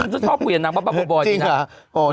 ชอบคุยกับนางบ้างบ่อยจริงหรอ